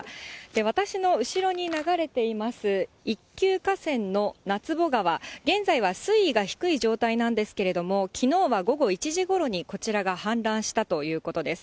私の後ろに流れています、一級河川の奈坪川、現在は水位が低い状態なんですけれども、きのうは午後１時ごろにこちらが氾濫したということです。